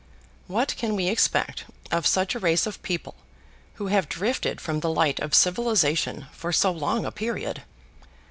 What can we expect of such a race of people who have drifted from the light of civilization for so long a period?